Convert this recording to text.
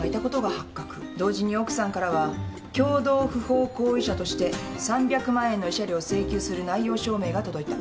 同時に奥さんからは共同不法行為者として３００万円の慰謝料を請求する内容証明が届いた。